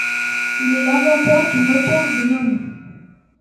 Il est l'inventeur du moteur Gnome.